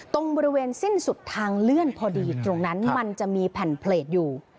ตรงบริเวณสิ้นสุดทางเลื่อนพอดีตรงนั้นมันจะมีแผ่นเพลตอยู่